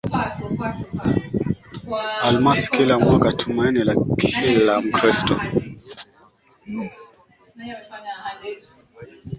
almasi kila mwaka Tumaini la kila Mkristo